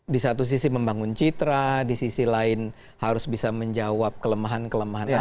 di satu sisi membangun citra di sisi lain harus bisa menjawab kelemahan kelemahan alam